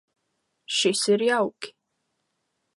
Šis ir jauki.